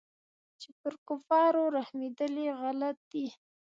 چې پر كفارو رحمېدل غلط دي.